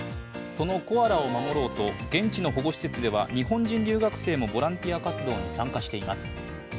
そのコアラを守ろうと現地の保護施設では日本人留学生もボランティア活動に参加しています。